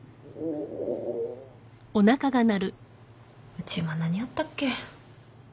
うち今何あったっけ？